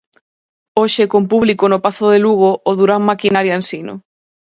Hoxe con público no Pazo de Lugo o Durán Maquinaria Ensino.